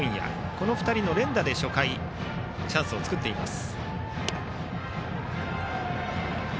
この２人の連打で初回チャンスを作っています。